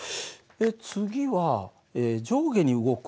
次は上下に動く